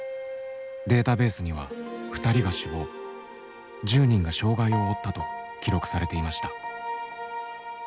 データベースには２人が死亡１０人が障害を負ったと記録されていました。